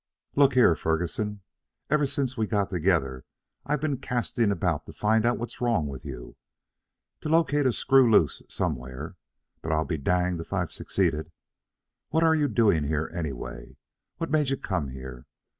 "Look here, Ferguson. Ever since we got together, I've been casting about to find out what's wrong with you, to locate a screw loose somewhere, but I'll be danged if I've succeeded. What are you doing here, anyway? What made you come here?